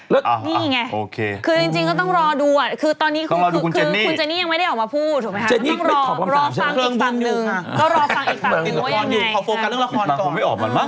แล้วนี่ไงคือนรู้จึงก็ต้องรอดู